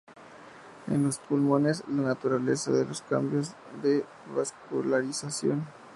En los pulmones, la naturaleza de los cambios de vascularización.